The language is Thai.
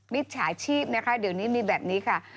มิจฉาชีพนะคะเดี๋ยวนี้มีแบบนี้ค่ะ